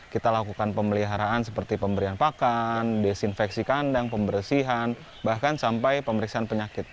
kita lakukan pemeliharaan seperti pemberian pakan desinfeksi kandang pembersihan bahkan sampai pemeriksaan penyakit